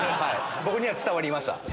僕には伝わりました。